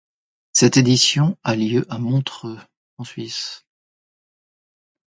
Cette édition a lieu à Montreux, en Suisse.